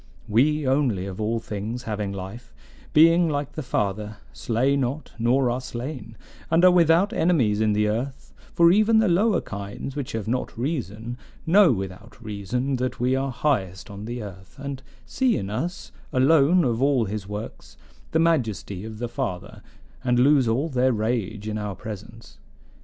"We only, of all things having life, being like the Father, slay not nor are slain, and are without enemies in the earth; for even the lower kinds, which have not reason, know without reason that we are highest on the earth, and see in us, alone of all his works, the majesty of the Father, and lose all their rage in our presence.